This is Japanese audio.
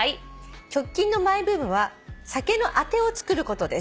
「直近のマイブームは酒のあてを作ることです」